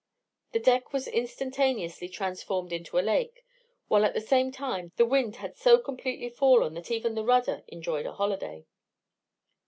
The deck was instantaneously transformed into a lake, while at the same time the wind had so completely fallen that even the rudder enjoyed a holiday.